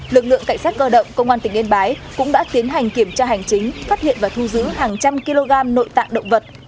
lực lượng cảnh sát cơ động công an tỉnh yên bái cũng đã tiến hành kiểm tra hành chính phát hiện và thu giữ hàng trăm kg nội tạng động vật